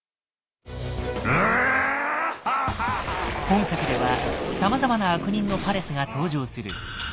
本作ではさまざまな悪人のパレスが登場する。